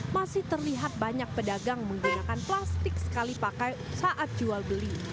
masih terlihat banyak pedagang menggunakan plastik sekali pakai saat jual beli